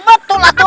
betul lah itu